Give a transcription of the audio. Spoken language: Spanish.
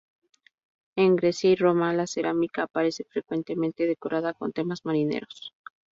En Grecia y Roma, la cerámica aparece frecuentemente decorada con temas marineros.